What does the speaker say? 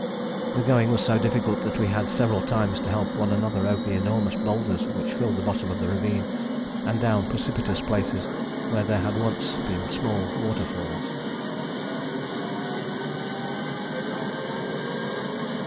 The going was so difficult that we had several times to help one another over the enormous boulders which filled the bottom of the ravine, and down precipitous places where there had once been small waterfalls.